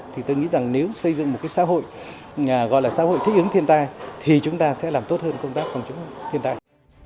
thì tôi nghĩ rằng nếu xây dựng một cái xã hội gọi là xã hội thích ứng thiên tai thì chúng ta sẽ làm tốt hơn công tác phòng chống thiên tai